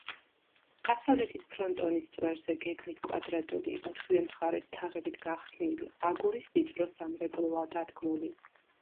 დასავლეთის ფრონტონის წვერზე გეგმით კვადრატული, ოთხივე მხარეს თაღებით გახსნილი აგურის ვიწრო სამრეკლოა დადგმული.